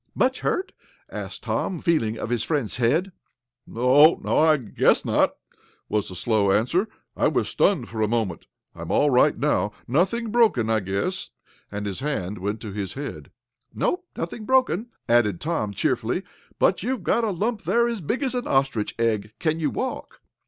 "Much hurt?" asked Tom, feeling of his friend's head. "No no, I I guess not," was the slow answer. "I was stunned for a moment. I'm all right now. Nothing broken, I guess," and his hand went to his head. "No, nothing broken," added Tom, cheerfully, "but you've got a lump there as big as an ostrich egg. Can you walk?"